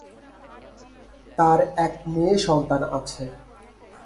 তার এক মেয়ে সন্তান আছে।